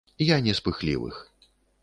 Я не з пыхлівых.